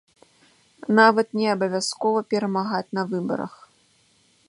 Нават не абавязкова перамагаць на выбарах.